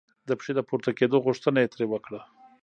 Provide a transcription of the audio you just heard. د پښې د پورته کېدو غوښتنه یې ترې وکړه.